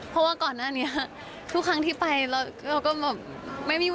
เพราะว่าก่อนหน้านี้ทุกครั้งที่ไปเราก็แบบไม่มีวัน